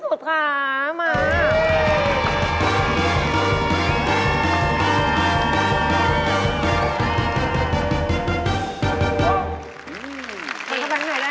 ขอบคุณทั้งหน่อยด้วยค่ะเดี๋ยวย่างกินอีก